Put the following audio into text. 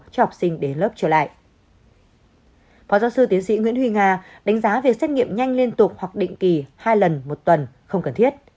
phó giáo sư tiến sĩ nguyễn huy nga đánh giá việc xét nghiệm nhanh liên tục hoặc định kỳ hai lần một tuần không cần thiết